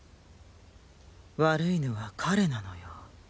悪いのは彼なのよ。